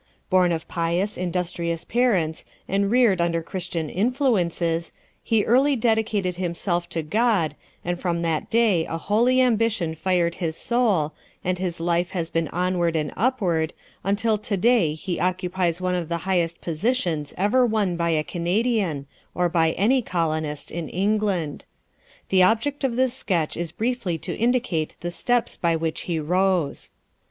Born of pious, industrious parents, and reared under Christian influences, he early dedicated himself to God, and from that day a holy ambition fired his soul, and his life has been onward and upward, until to day he occupies one of the highest positions ever won by a Canadian, or by any colonist in England. The object of this sketch is briefly to indicate the steps by which he rose.